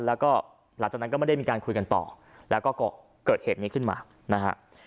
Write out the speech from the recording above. แล้วก็หลังจากนั้นก็ไม่ได้มีการคุยกันต่อแล้วก็เกิดเหตุนี้ขึ้นมานะฮะ